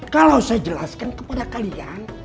kalau saya jelaskan kepada kalian